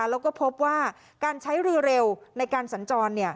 แล้วก็พบว่าการใช้เรือเร็วในการสัญจร